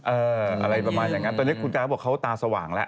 อะไรประมาณอย่างนั้นตอนนี้คุณตาก็บอกเขาตาสว่างแล้ว